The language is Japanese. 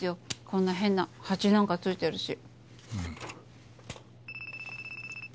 こんな変なハチなんか付いてるし。